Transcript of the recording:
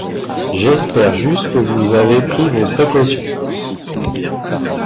J’espère juste que vous avez pris vos précautions.